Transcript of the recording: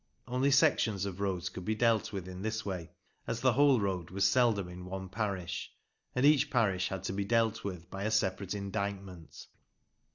Only sections of roads could be dealt with in this way, as the whole road was seldom in one parish, and each parish had to be dealt with by a separate indictment.